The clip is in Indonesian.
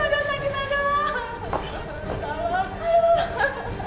aduh benjakan minta